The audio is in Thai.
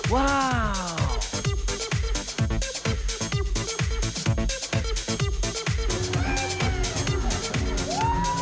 ว้าว